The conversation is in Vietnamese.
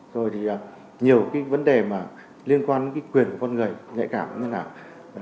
rồi thì nhiều cái vấn đề mà liên quan đến quyền của con người nhạy cả như là